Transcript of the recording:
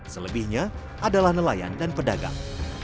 selebihnya adalah nelayan dan pedagang